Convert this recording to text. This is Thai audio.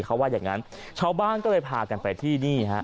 เขาว่าอย่างงั้นชาวบ้านก็เลยพากันไปที่นี่ฮะ